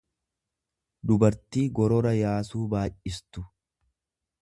dubartii gorora yaasuu baay'istu.